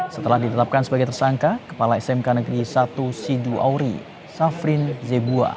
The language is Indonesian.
setelah ditetapkan sebagai tersangka kepala smk negeri satu sidu auri safrin zebua